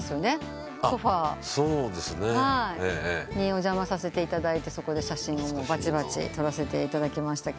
お邪魔させていただいてそこで写真をばちばち撮らせていただきました。